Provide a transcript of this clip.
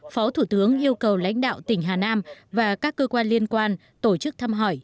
phó thủ tướng yêu cầu lãnh đạo tỉnh hà nam và các cơ quan liên quan tổ chức thăm hỏi